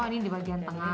nah disini di bagian tengah